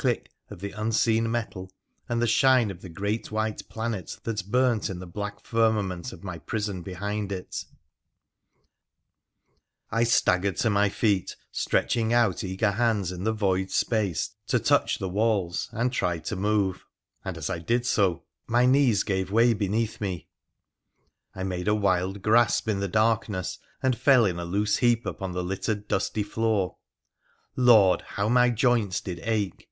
click ! of the unseen metal, and the shine of the great white planet that burnt in the black firmament of my prison behind it. 336 WONDERFUL ADVENTURES OF I staggered to my feet, stretching out eager hands in the void space to touch the walls, and tried to move ; and, as I did so, my knees gave way beneath me ; I made a wild grasp in the darkness, and fell in a loose heap upon the littered dusty floor. Lord ! how my joints did ache